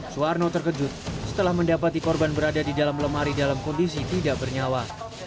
suwarno terkejut setelah mendapati korban berada di dalam lemari dalam kondisi tidak bernyawa